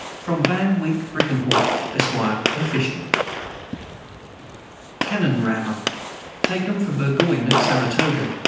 From Van Wyck Brinkerhoff, Esq., of Fishkill. Cannon rammer, taken with Burgoyne at Saratoga.